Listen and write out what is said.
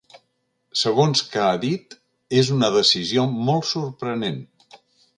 Segons que ha dit, és una decisió ‘molt sorprenent’.